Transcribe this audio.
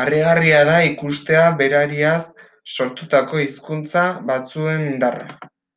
Harrigarria da ikustea berariaz sortutako hizkuntza batzuen indarra.